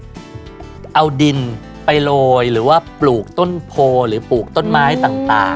ไม่ง่ายเลยเอาดินไปโรยหรือว่าปลูกต้นโพห์หรือปลูกต้นไม้ต่าง